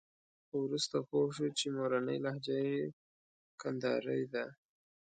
خو وروسته پوه شو چې مورنۍ لهجه یې کندارۍ ده.